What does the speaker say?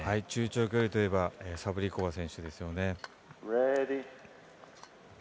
中長距離といえばサブリコバー選手ですよね。